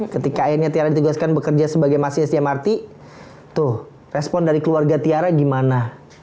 ketika akhirnya tiara ditugaskan bekerja sebagai masinis mrt tuh respon dari keluarga tiara gimana